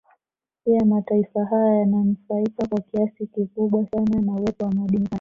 Pia mataifa haya yananufaika kwa kiasi kikubwa sana na uwepo wa madini haya